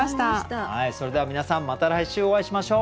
それでは皆さんまた来週お会いしましょう。